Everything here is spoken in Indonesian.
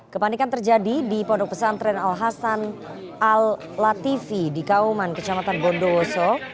kepanikan terjadi di pondok pesantren al hasan al latifi di kauman kecamatan bondowoso